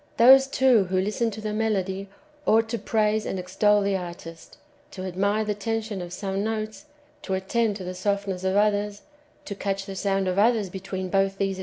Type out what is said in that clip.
Those, too, who listen to the melody, ought to praise and extol the artist, to admire the tension of some notes, to attend to the softness of others, to catch the sound of others between both these extremes, ^ Some read xx.